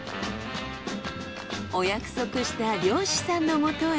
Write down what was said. お約束した漁師さんのもとへ。